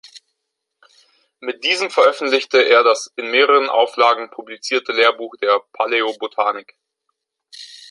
Mit diesem veröffentlichte er das in mehreren Auflagen publizierte „Lehrbuch der Paläobotanik“.